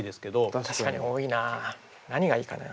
確かに多いな何がいいかな。